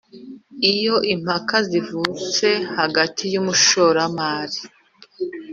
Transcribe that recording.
Iyo impaka zivutse hagati y umushoramari